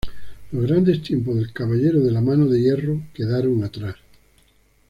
Los grandes tiempos del ""caballero de la mano de hierro"" quedaron atrás.